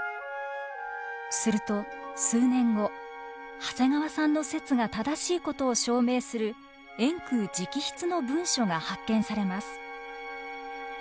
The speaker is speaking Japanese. すると数年後長谷川さんの説が正しいことを証明する円空直筆の文書が発見されます。